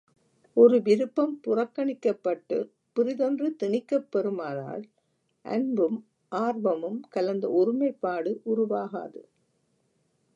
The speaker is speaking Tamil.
ஒரு விருப்பம் புறக்கணிக்கப்பட்டுப் பிறிதொன்று திணிக்கப் பெறுமானால் அன்பும் ஆர்வமும் கலந்த ஒருமைப்பாடு உருவாகாது.